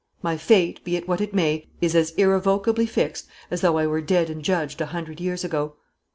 My fate, be it what it may, is as irrevocably fixed, as though I were dead and judged a hundred years ago.